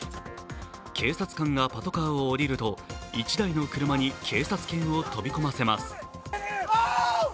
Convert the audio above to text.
警察官がパトカーを降りると、１台の車に警察犬を飛び込ませます。